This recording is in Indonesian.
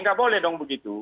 nggak boleh dong begitu